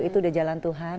itu udah jalan tuhan